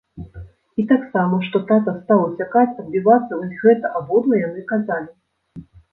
І таксама, што тата стаў уцякаць, адбівацца, вось гэта абодва яны казалі.